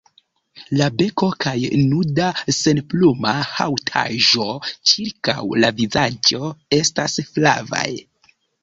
La beko kaj nuda senpluma haŭtaĵo ĉirkaŭ la vizaĝo estas flavaj.